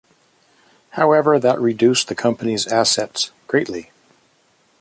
However, that reduced the company's assets greatly.